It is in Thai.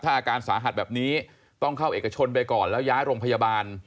อาการสาหัสแบบนี้ต้องเข้าเอกชนไปก่อนแล้วย้ายโรงพยาบาล